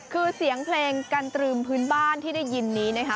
คือเสียงเพลงกันตรึมพื้นบ้านที่ได้ยินนี้นะคะ